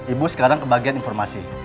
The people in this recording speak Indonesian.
ibu sekarang kebagian informasi